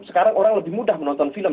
sekarang orang lebih mudah menonton film